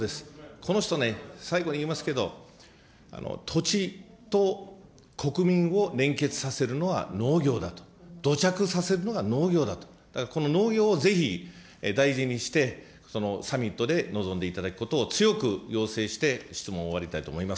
この人ね、最後に言いますけど、土地と国民を連結させるのは農業だと、土着させるのは農業だと、この農業をぜひ大臣にして、サミットで臨んでいただくことを強く要請して質問を終わりたいと思います。